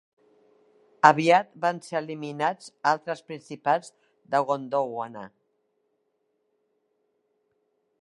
Aviat van ser eliminats altres principats de Gondwana.